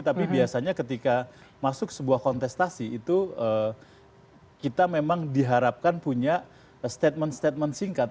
tapi biasanya ketika masuk sebuah kontestasi itu kita memang diharapkan punya statement statement singkat